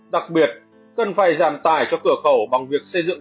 đặc biệt cần phải giảm tài cho cửa khẩu bằng việc xây dựng